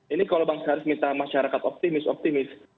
ini kalau bang syarif minta masyarakat optimis optimis